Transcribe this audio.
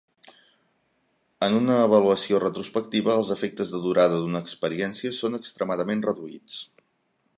En una avaluació retrospectiva, els efectes de durada d'una experiència són extremadament reduïts.